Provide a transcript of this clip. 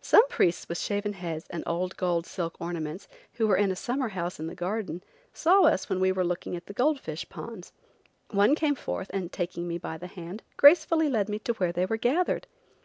Some priests with shaven heads and old gold silk garments, who were in a summer house in the garden, saw us when we were looking at the gold fish ponds. One came forth, and, taking me by the hand, gracefully led me to where they were gathered.